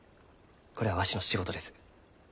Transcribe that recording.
これはわしの仕事です。